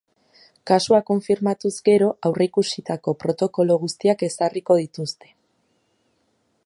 Kasua konfirmatuz gero, aurreikusitako protokolo guztiak ezarriko dituzte.